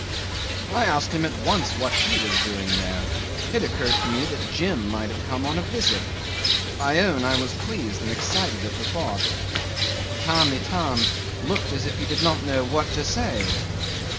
'I asked him at once what he was doing there; it occurred to me that Jim might have come on a visit. I own I was pleased and excited at the thought. Tamb' Itam looked as if he did not know what to say.